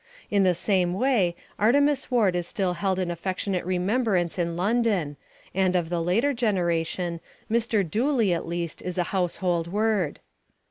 In the same way Artemus Ward is still held in affectionate remembrance in London, and, of the later generation, Mr. Dooley at least is a household word.